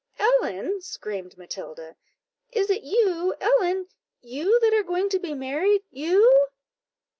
"Ellen!" screamed Matilda; "is it you, Ellen? you that are going to be married you?"